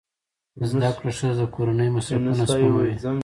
زده کړه ښځه د کورنۍ مصرفونه سموي.